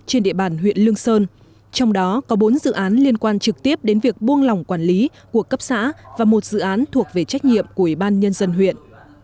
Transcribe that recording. trên địa bàn huyện lương sơn trong đó có bốn dự án liên quan trực tiếp đến việc buông lỏng quản lý của cấp xã và một dự án thuộc về trách nhiệm của ủy ban nhân dân huyện